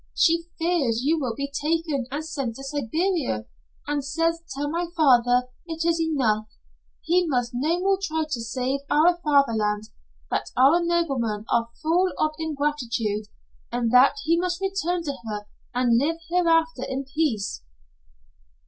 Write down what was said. She fears you will be taken and sent to Siberia, and says tell my father it is enough. He must no more try to save our fatherland: that our noblemen are full of ingratitude, and that he must return to her and live hereafter in peace."